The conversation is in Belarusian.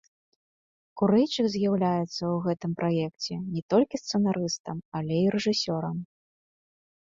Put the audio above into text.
Курэйчык з'яўляецца ў гэтым праекце не толькі сцэнарыстам, але і рэжысёрам.